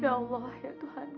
ya allah ya tuhan